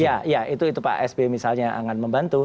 ya ya itu pak sby misalnya yang akan membantu